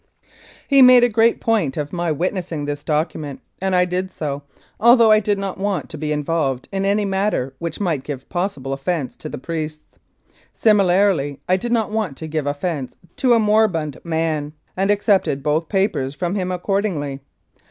He made a great point of my witnessing this docu ment, and I did so, although I did not want to be involved in any matter which might give possible offence to the priests. Similarly, I did not want to give offence to a moribund man, and accepted both papers from him accordingly.